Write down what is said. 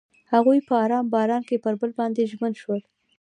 هغوی په آرام باران کې پر بل باندې ژمن شول.